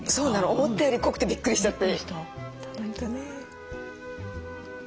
思ったより濃くてびっくりしちゃって。